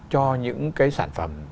cho những cái sản phẩm